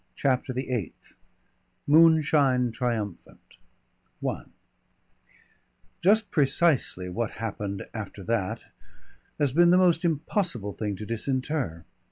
CHAPTER THE EIGHTH MOONSHINE TRIUMPHANT I Just precisely what happened after that has been the most impossible thing to disinter.